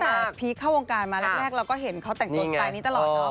คือแต่ตั้งแต่พีคเข้าวงการมาแรกเราก็เห็นเขาแต่งตัวสไตล์นี้ตลอดเนอะ